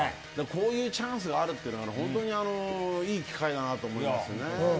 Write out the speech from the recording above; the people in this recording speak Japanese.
こういうチャンスがあるというのはいい機会だなと思います。